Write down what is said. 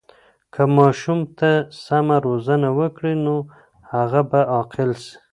که ماشوم ته سمه روزنه وکړو، نو هغه به عاقل سي.